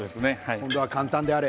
これは簡単であれ。